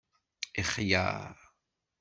Ixyar